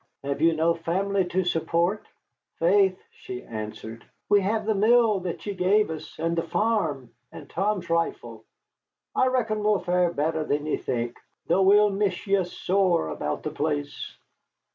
"Have you no family to support?" "Faith," she answered, "we have the mill that ye gave us, and the farm, and Tom's rifle. I reckon we'll fare better than ye think, tho' we'll miss ye sore about the place."